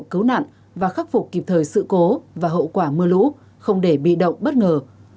cứu nạn và khắc phục kịp thời sự cố và hậu quả mưa lũ không để bị động bất ngờ